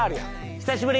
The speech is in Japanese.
久しぶり。